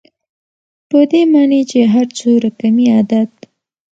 په دې معني چي هر څو رقمي عدد